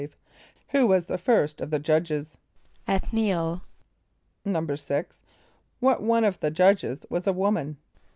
= Who was the first of the judges? =[)O]th´n[)i] el.= =6.= What one of the judges was a woman?